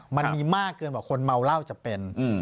มันมีมากเกินกว่าคนเมาเหล้าจะเป็น